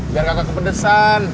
biar kagak kepedesan